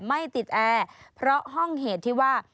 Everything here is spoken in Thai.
ไม่ติดแอร์เพราะห้องเหตุที่ว่า